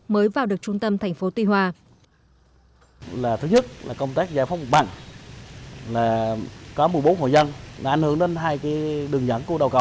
mới vào được trung tâm thành phố tuy hòa